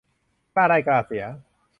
กล้าได้กล้าเสีย